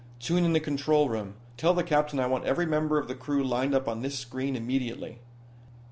"Tune in the control room. Tell the captain I want every member of the crew lined up on this screen immediately."